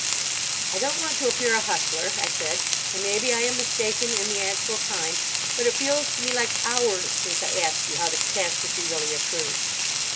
"I don't want to appear a hustler," I said, "and maybe I am mistaken in the actual time, but it feels to me like hours since I asked you how the catastrophe really occurred."